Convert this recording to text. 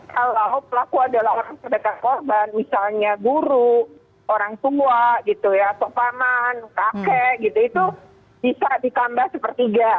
kalau pelaku adalah orang sedekat korban misalnya guru orang tua gitu ya sopaman kakek gitu itu bisa ditambah sepertiga